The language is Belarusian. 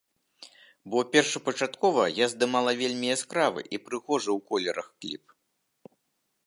Бо першапачаткова я здымала вельмі яскравы і прыгожы ў колерах кліп.